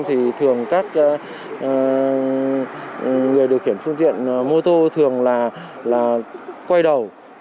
thì thường các người điều khiển phương tiện mô tô thường là quay đầu